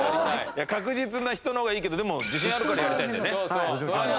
確実な人の方がいいけどでも自信あるからやりたいんだよね？